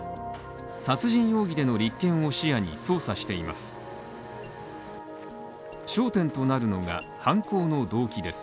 殺人容疑での立件を視野に捜査しています。